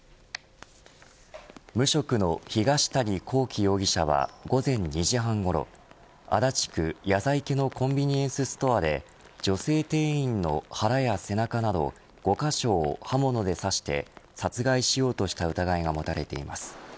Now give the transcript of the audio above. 無職の東谷昂紀容疑者は午前２時半ごろ足立区谷在家のコンビニエンスストアで女性店員の腹や背中など５カ所を刃物で刺して殺害しようとした疑いが持たれています。